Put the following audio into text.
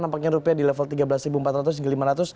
nampaknya rupiah di level tiga belas empat ratus hingga lima ratus